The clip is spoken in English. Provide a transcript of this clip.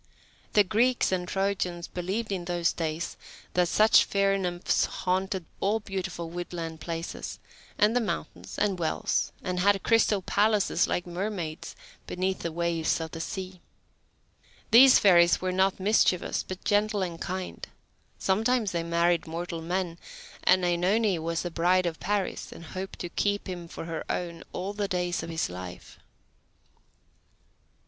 The Greeks and Trojans believed in these days that such fair nymphs haunted all beautiful woodland places, and the mountains, and wells, and had crystal palaces, like mermaids, beneath the waves of the sea. These fairies were not mischievous, but gentle and kind. Sometimes they married mortal men, and OEnone was the bride of Paris, and hoped to keep him for her own all the days of his life.